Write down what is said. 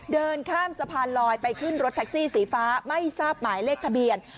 เดินข้ามสะพานลอยไปขึ้นรถแท็กซี่สีฟ้าไม่ทราบหมายเลขทะเบียน